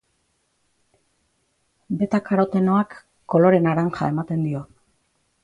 Betakarotenoak kolore naranja ematen dio.